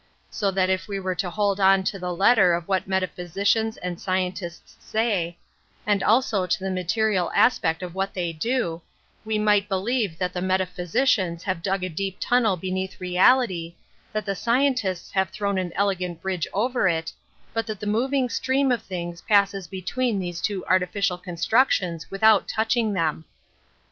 So that if we were to hold on to the letter of what metaphysicians and scientists say, and also to the material aspect of what they do, we might believe that the metaphysicians have dug a deep tunnel beneath reality, that the scientists have thrown an elegant bridge over it, but that the moving stream of things passes between these two artificial constructions without touching them.